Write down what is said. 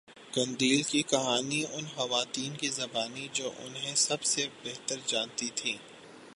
قندیل کی کہانی ان خواتین کی زبانی جو انہیں سب سےبہتر جانتی تھیں